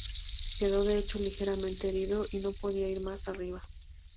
Quedó de hecho ligeramente herido y no podía ir más arriba.